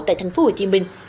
tại thành phố hồ chí minh